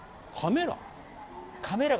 カメラ？